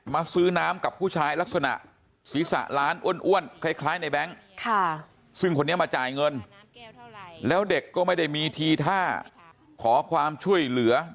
ซื้อน้ำกับผู้ชายลักษณะศีรษะล้านอ้วนคล้ายในแบงค์ซึ่งคนนี้มาจ่ายเงินแล้วเด็กก็ไม่ได้มีทีท่าขอความช่วยเหลือ